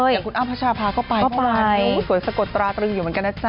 อย่างคุณอ้าวพระชาพาก็ไปเมื่อวานนี้สวยสะกดตราตรึงอยู่เหมือนกันนะจ๊ะ